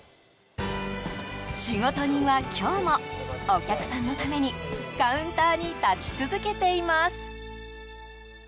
仕事人は今日もお客さんのためにカウンターに立ち続けています。